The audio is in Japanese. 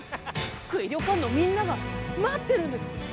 福井旅館のみんなが待ってるんです！